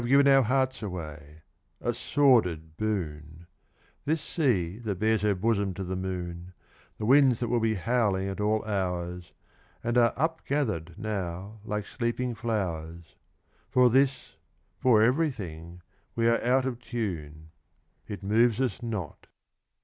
given our hearts away — a sordid boon ! This Sea that bares her bosom to the moon ; The winds that will be howling at all hours, And are up gathered now like sleeping flowers — For this, for everything, we are out of tune; It moves us not.